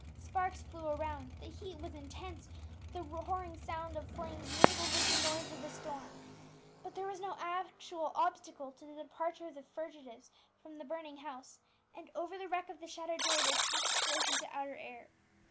Sparks flew around, the heat was intense, the roaring sound of flames mingled with the noise of the storm. But there was no actual obstacle to the departure of the fugitives from the burning house, and over the wreck of the shattered door they passed forth into outer air.